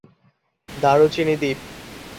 দারুচিনি দ্বীপ